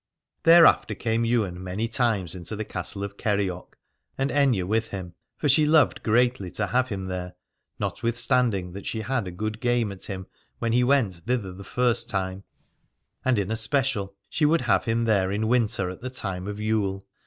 Thereafter came Ywain many times into the castle of Kerioc, and Aithne with him. For she loved greatly to have him there, not withstanding that she had good game at him when he went thither the first time : and in especial she would have him there in winter at the time of Yule.